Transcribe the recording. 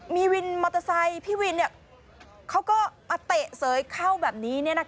มีวินมอเตอร์ไซค์พี่วินเขาก็มาเตะเสยเข้าแบบนี้